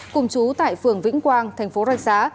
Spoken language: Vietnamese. cùng chú tại phường vĩnh quang thành phố rạch giá